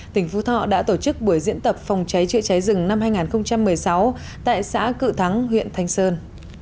trước buổi diễn tập phòng cháy chữa trái rừng năm hai nghìn một mươi sáu tại xã cự thắng huyện thanh sơn